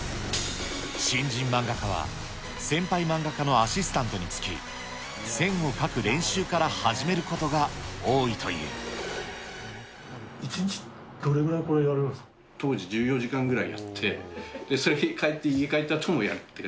新人漫画家は、先輩漫画家のアシスタントにつき、線を描く練習か１日どれぐらいこれ、やられ当時１４時間ぐらいやって、それで家帰ったあともやるっていう。